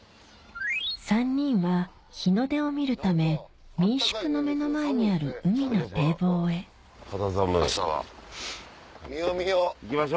３人は日の出を見るため民宿の目の前にある海の堤防へ肌寒い。